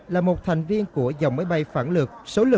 là một thành viên của dòng máy bay phản lược